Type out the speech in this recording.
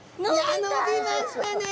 伸びましたね！